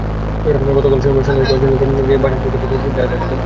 গতকাল শনিবার সন্ধ্যায় কয়েকজন লোক গিয়ে বাসার চৌকাঠ কিনতে কাঠ দেখে আসেন।